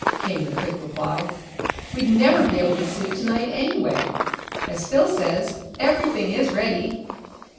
came the quick reply. "We'd never be able to sleep to night, anyway. As Phil says, everything is ready."